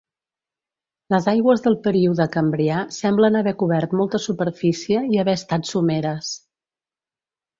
Les aigües del període Cambrià semblen haver cobert molta superfície i haver estat someres.